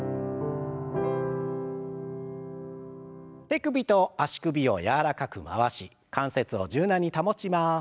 手首と足首を柔らかく回し関節を柔軟に保ちます。